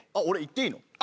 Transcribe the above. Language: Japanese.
俺行っていいの？